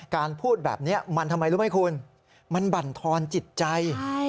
พูดแบบนี้มันทำไมรู้ไหมคุณมันบั่นทอนจิตใจ